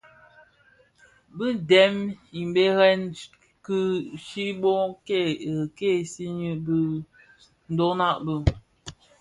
Bị dèm mbèrèn chi bò kiseni mbiň a ndhoňa bi.